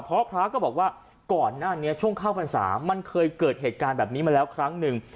เพราะพระก็บอกว่าก่อนหน้านี้ช่วงเข้าพรรษามันเคยเกิดเหตุการณ์แบบนี้มาแล้วครั้งหนึ่ง